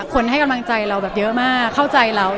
คนให้กำลังใจเราเยอะมากเข้าใจเราเยอะมาก